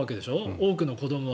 多くの子どもは。